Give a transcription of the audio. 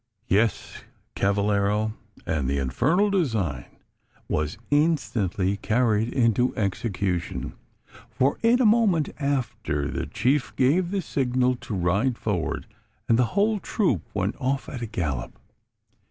"Yes, cavallero! and the infernal design was instantly carried into execution; for in a moment after, the chief gave the signal to ride forward, and the whole troop went off at a gallop.